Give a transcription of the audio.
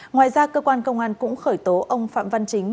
ngoài ra cơ quan công an cũng khởi tố ông phạm văn chính